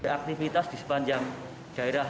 aktivitas di sepanjang daerah